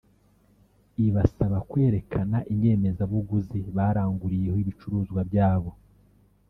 ibasaba kwerekana inyemezabuguzi baranguriyeho ibicuruzwa bya bo